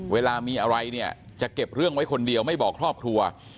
เวลามีอะไรเนี่ยจะเก็บเรื่องไว้คนเดียวไม่บอกครอบครัว